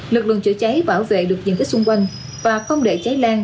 lực lượng chữa cháy bảo vệ được những cái xung quanh và không để cháy lan lên hai tầng lầu